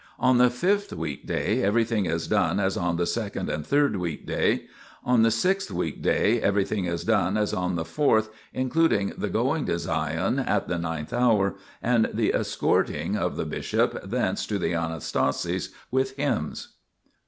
On the fifth weekday everything is done as on the second and third weekday. On the sixth weekday everything is done as on the fourth, in cluding the going to Sion at the ninth hour, and the escorting of the bishop thence to the Anastasis with hymns.